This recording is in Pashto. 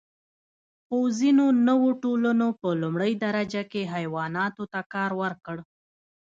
خو ځینو نوو ټولنو په لومړۍ درجه کې حیواناتو ته کار ورکړ.